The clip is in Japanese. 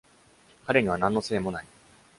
彼には何のせいもない。